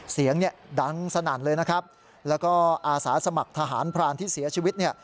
เสียงเนี่ยดังสนั่นเลยนะครับแล้วก็อาสาสมัครทหารพรานที่เสียชีวิตเนี่ย